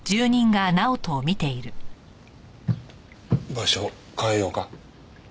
場所を変えようか？